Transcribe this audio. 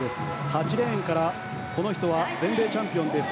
８レーンからこの人は全米チャンピオンです。